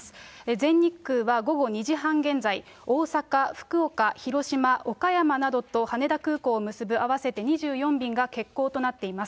全日空は午後２時半現在、大阪、福岡、広島、岡山などと羽田空港を結ぶ合わせて２４便が欠航となっています。